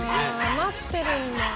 待ってるんだ。